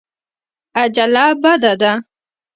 عجله بده ده.